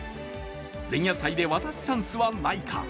前夜祭で渡すチャンスはないか。